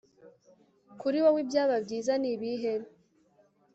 kuri wowe ibyaba byiza ni ibihe